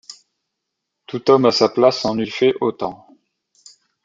Tout homme à sa place en eût fait autant.